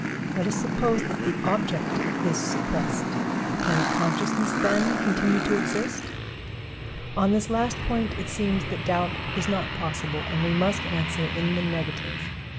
Let us suppose that the object is suppressed. Can the consciousness then continue to exist? On this last point it seems that doubt is not possible, and we must answer in the negative.